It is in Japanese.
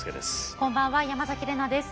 こんばんは山崎怜奈です。